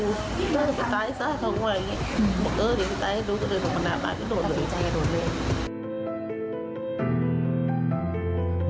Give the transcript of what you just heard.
ก็โดดเลยโดดเลย